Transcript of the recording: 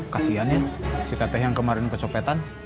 kasian ya si teteh yang kemarin kecopetan